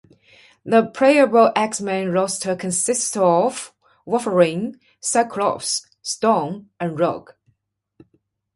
The playable X-Men roster consists of: Wolverine, Cyclops, Storm, and Rogue.